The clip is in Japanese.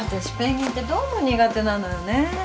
私ペンギンってどうも苦手なのよね。